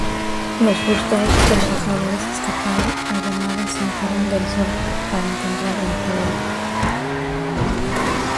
Los frustrados trabajadores escaparon a llamado cinturón del sol para encontrar empleo.